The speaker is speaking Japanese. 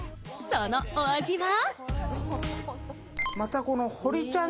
そのお味は？